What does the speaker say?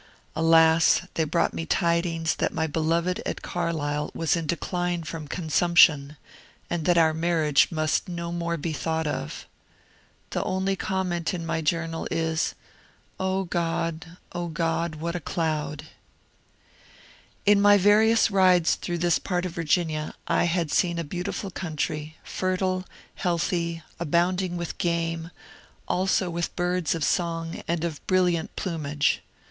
Alas, they brought me tidings that my beloved at Carlisle was in decline from consumption, and that our marriage must no more be 84 MONCURE DANIEL CONWAY thought of. The only oomment in my journal is, *^ O God, OGod, — whatacloudl" In my various rides through this part of Virginia, I had seen a beautiful country, fertile, healthy, abounding with game, also with birds of song and of brilliant plumage.